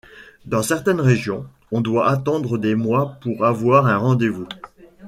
Dans certaines régions, on doit attendre des mois pour avoir un rendez-vous.